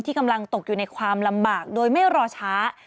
กำลังตกอยู่ในความลำบากโดยไม่รอช้า